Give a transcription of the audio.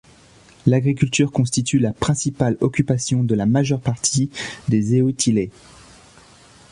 L'agriculture constitue la principale occupation de la majeure partie des Ehotilé.